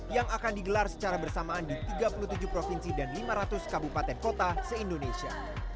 yang akan digelar secara bersamaan di tiga puluh tujuh provinsi dan lima ratus kabupaten kota se indonesia